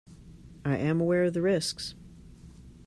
I am aware of the risks.